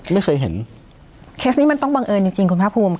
ไม่เคยเห็นเคสนี้มันต้องบังเอิญจริงจริงคุณภาคภูมิ